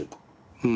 うん。